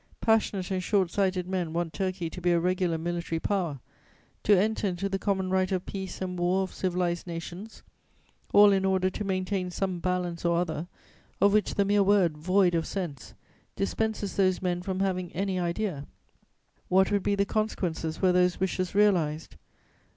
Passionate and short sighted men want Turkey to be a regular military Power, to enter into the common right of peace and war of civilized nations, all in order to maintain some balance or other, of which the mere word, void of sense, dispenses those men from having any idea: what would be the consequences were those wishes realized?